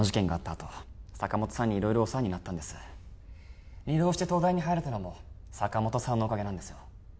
あと坂本さんに色々お世話になったんです二浪して東大に入れたのも坂本さんのおかげなんですよ